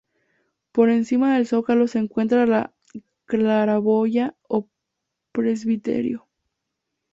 Por encima del zócalo se encuentra la claraboya o presbiterio.